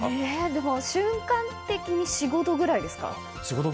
でも瞬間的に４５度ぐらいですか？